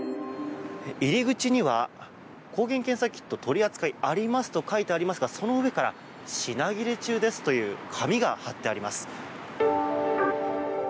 入り口には抗原検査キット取り扱いありますと書いてありますがその上から品切れ中ですという紙が貼ってあります。